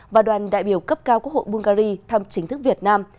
và đoàn đại biểu cấp cao quốc hội bungary thăm chính thức việt nam